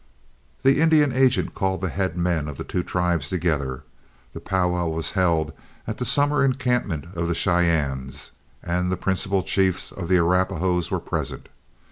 The Indian agent called the head men of the two tribes together. The powwow was held at the summer encampment of the Cheyennes, and the principal chiefs of the Arapahoes were present.